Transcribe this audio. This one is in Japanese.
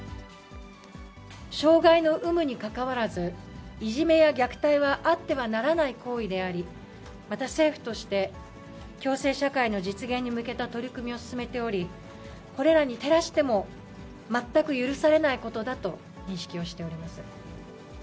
障がいの有無にかかわらず、いじめや虐待はあってはならない行為であり、また政府として、共生社会の実現に向けた取り組みを進めており、これらに照らしても、全く許されないことだと認識をしております。